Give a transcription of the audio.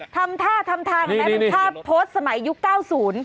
ทำท่าทำทางแบบท่าโพสต์สมัยยุคเก้าศูนย์